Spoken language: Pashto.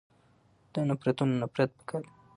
د نفرتونونه نفرت پکار دی.